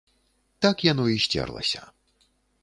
Так яно і сцерлася.